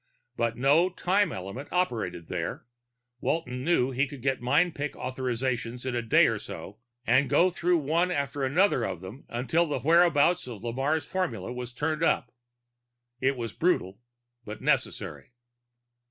But no time element operated there; Walton knew he could get mind pick authorizations in a day or so, and go through one after another of them until the whereabouts of Lamarre's formula turned up. It was brutal, but necessary.